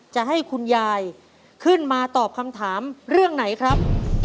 จะให้คุณยายขึ้นมาตอบคำถามเรื่องไหนครับ